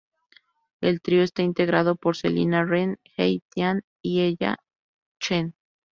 El trío está integrado por Selina Ren, Hebe Tian, y Ella Chen.